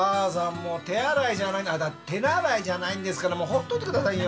もう手洗いじゃ手習いじゃないんですからもう放っておいてくださいよ。